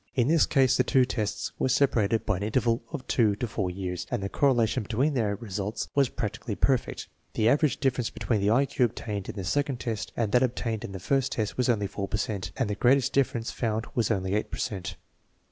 In this case the two tests were separated by an interval of two to four years, and the correlation between their results was practically perfect. The average difference between the I Q obtained in the second test and that obtained in the first was only 4 per cent, and the great est difference found was only 8 per cent.